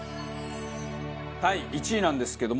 第１位なんですけども。